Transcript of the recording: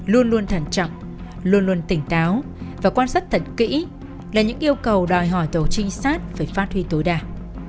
luôn luôn thận trọng luôn luôn tỉnh táo và quan sát thật kỹ là những yêu cầu đòi hỏi tổ trinh sát phải phát huy tối đa